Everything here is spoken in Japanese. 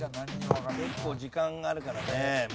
結構時間があるからね。